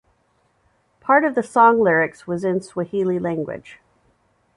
Part of the song lyrics was in Swahili language.